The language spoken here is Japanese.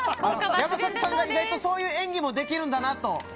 山里さんが意外とそういう演技もできるんだなと。